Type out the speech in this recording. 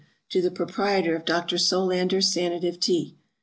To the Proprietor of Dr. Solander's SANATIVE TEA.